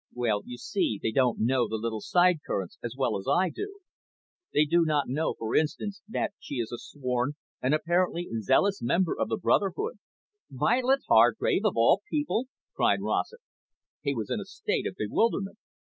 Well, you see, they don't know the little side currents as well as I do. They do not know, for instance, that she is a sworn and apparently zealous member of the brotherhood." "Violet Hargrave, of all people!" cried Rossett. He was in a state of bewilderment.